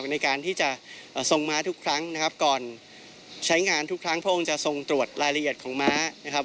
ในการที่จะทรงม้าทุกครั้งนะครับก่อนใช้งานทุกครั้งพระองค์จะทรงตรวจรายละเอียดของม้านะครับ